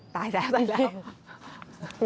ตายแสดงตายแสดง